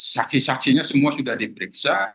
saksi saksinya semua sudah diperiksa